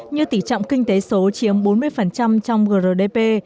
như tỉ trọng kinh tế số chiếm bốn mươi trong grdp